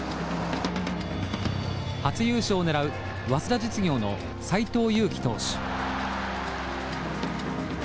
初優勝を狙う早稲田実業の斎藤佑樹投手。